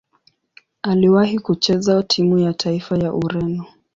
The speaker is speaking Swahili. Aliwahi kucheza timu ya taifa ya Ureno.